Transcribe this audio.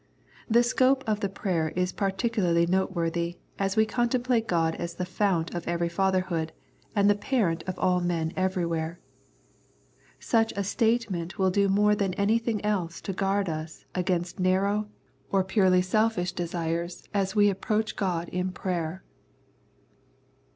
The scope of the prayer is particularly noteworthy, as we contemplate God as the Fount of every fatherhood and the Parent of all men everywhere. Such a statement will do more than anything else to guard us against narrow or purely 114 Strength and Indwelling selfish desires as we approach God in prayer.